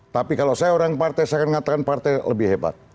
tapi kalau saya orang partai saya akan mengatakan partai lebih hebat